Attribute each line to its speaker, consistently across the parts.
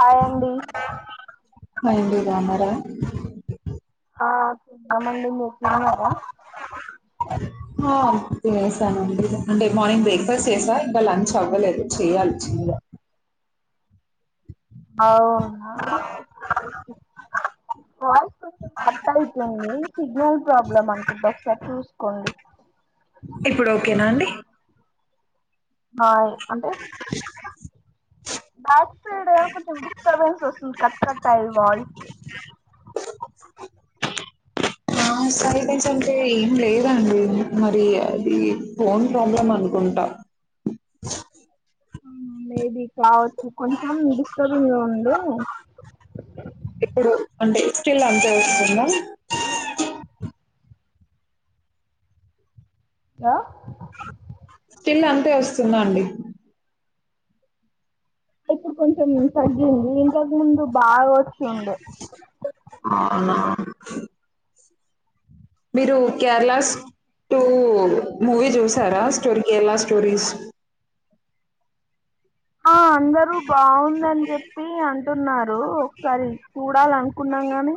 Speaker 1: Hi అండి
Speaker 2: hi అండి రామారా
Speaker 1: ఆ తిన్నామండి మీరు తిన్నారా
Speaker 2: హా తినేసామండి అంటే మార్నింగ్ బ్రేక్ఫాస్ట్ చేశా ఇంకా లంచ్ అవ్వలేదు చెయ్యాలి చిన్న
Speaker 1: అవునా ఒకే ఒకే వాయిస్ కొంచెం కట్ అయితుంది సిగ్నల్ ప్రాబ్లమ్ అనుకుంటా ఒకసారి చూసుకోండి
Speaker 2: ఇప్పుడు ఓకేనా అండి
Speaker 1: ఆవు బ్యాక్ సైడే కొంచెం డిస్టర్బెన్స్ వస్తుంది కట్ కట్ అయి వాయిసు
Speaker 2: నా సైడ్ అంటుంటే ఏం లేదండి మరి అది ఫోన్ ప్రాబ్లమ్ అనుకుంటా ఆ
Speaker 1: మేబి కావచ్చు కొంచెం డిస్టబింగ్ గా ఉంది
Speaker 2: ఇప్పుడు అంటే స్టిల్ అంతే వస్తుందా
Speaker 1: గా
Speaker 2: స్టిల్ అంతే వస్తుందా అండి
Speaker 1: ఇప్పుడు కొంచెం తగ్గింది ఇంతక ముందు బాగా వచ్చుండే
Speaker 2: అవునా మీరు కేరళస్, టూ మూవీ చూసారా స్టోరీ కేరళా స్టోరీస్,
Speaker 1: ఆ అందరూ బాగుందని చెప్పి అంటున్నారు. ఒకసారి చూడాలనుకున్నాం గాని,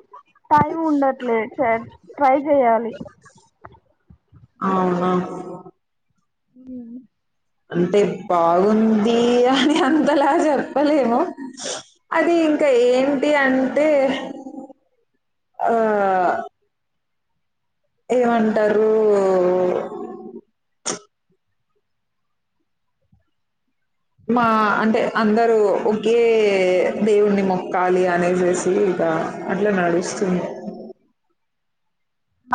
Speaker 1: టైం ఉండట్లేదు చేయి, ట్రై చేయాలి.
Speaker 2: అవునా
Speaker 1: ఉహ్మ్
Speaker 2: అంటే బాగుంది అని అంతలా చెప్పలేము. అది, ఇంకా ఏంటి అంటే ఆ, ఏమంటారు. మా అంటే అందరు ఒకే దేవుణ్ణి మొక్కాలి అనేసేసి ఆ అట్లా నడుస్తుంది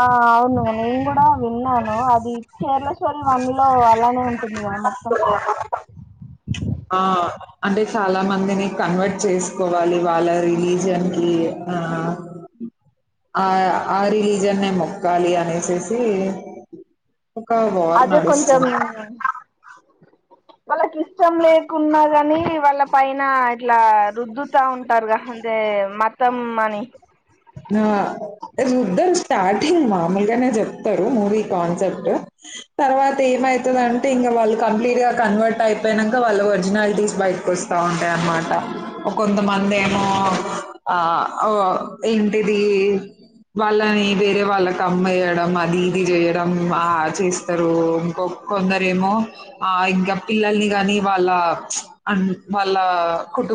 Speaker 1: ఆ అవును నేను కూడా విన్నాను అది. కేరళ స్టోరీ వన్ లో అలానే ఉంటుంది, కదా మొత్తం.
Speaker 2: ఆ అంటే చాలా మందిని కన్వర్ట్ చేసుకోవాలి. వాళ్ళ రిలీజియన్ కి, ఆ, ఆ ఆ రిలీజియన్నే మొక్కాలి అనేసేసి. ఒక వార్
Speaker 1: అదే కొంచెం
Speaker 2: నడుస్తుంది.
Speaker 1: వాళ్ళకి ఇష్టం లేకున్నా కానీ, వాళ్ళక్ పైన ఇట్లా రుద్దుతా ఉంటారుగా ఇదే మతం అని
Speaker 2: ఆ రుద్దరు స్టార్టింగ్ మామూలుగానే చెప్తాడు మూవీ కాన్సెప్ట్. తర్వాత ఏమైతది అంటే ఇంకా, వాళ్ళు కంప్లీట్ గా కన్వర్ట్ అయిపోయానాక, వాళ్ళ ఒరిజినాలిటీస్ బయట్ కొస్తా ఉంటాయి అన్నమాట, కొంతమంది ఏమో ఆ ఓ ఏంటిది, వాళ్ళని వేరే వాళ్ళకి అమ్మేయడం, అది ఇది చేయడం ఆ చేస్తారు. ఇంకొక్ కొందరేమో ఆ ఇంకా పిల్లల్ని గాని వాళ్ళ ఉంచ్ అ వాళ్ళ కుటుంబ్